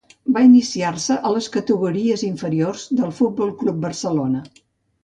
Va iniciar-se a les categories inferiors del Futbol Club Barcelona.